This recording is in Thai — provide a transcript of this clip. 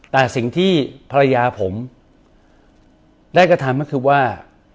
แต่สิ่งที่ภรรยาผมได้กระทำก็คือว่า